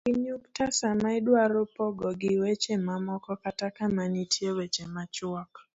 Ti gi nyukta sama idwaro pogogi weche mamoko kata kama nitie weche machuok